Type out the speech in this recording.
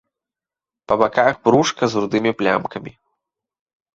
Па баках брушка з рудымі плямкамі.